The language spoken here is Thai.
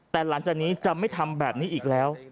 แต่หลังจากนี้จะไม่ทำแบบนี้อีกแล้ว